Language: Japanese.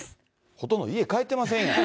ほとんど家帰ってませんやん。